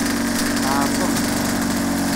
Tɛerḍem.